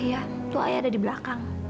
iya itu ayah ada di belakang